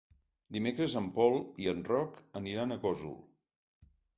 Dimecres en Pol i en Roc aniran a Gósol.